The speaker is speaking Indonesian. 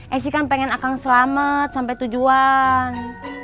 esy kan pengen akang selamat sampai tujuan